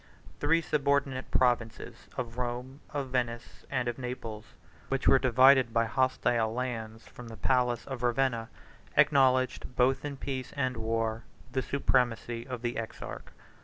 Three subordinate provinces, of Rome, of Venice, and of Naples, which were divided by hostile lands from the palace of Ravenna, acknowledged, both in peace and war, the supremacy of the exarch.